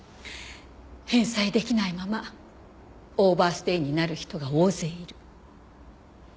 返済出来ないままオーバーステイになる人が大勢いる。